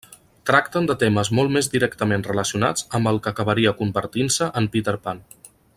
Tracten de temes molt més directament relacionats amb el que acabaria convertint-se en Peter Pan.